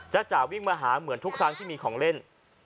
จ่าวิ่งมาหาเหมือนทุกครั้งที่มีของเล่น